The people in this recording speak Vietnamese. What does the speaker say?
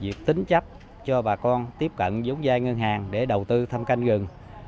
việc tính chấp cho bà con tiếp cận vốn dai ngân hàng để đầu tư thăm canh rừng